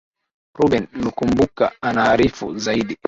ruben lukumbuka anaarifu zaidi